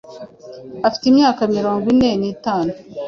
afite imyaka mirongo ine nitanu